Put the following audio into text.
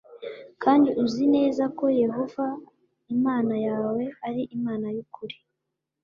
Kandi uzi neza ko Yehova Imana yawe ari Imana y’ukuri,